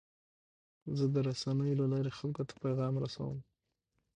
زه د رسنیو له لارې خلکو ته پیغام رسوم.